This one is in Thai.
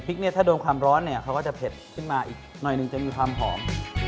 เพราะฉะนั้นพริกถ้าโดนความร้อนเขาก็จะเผ็ดขึ้นมาอีกหน่อยหนึ่งจะมีความหอม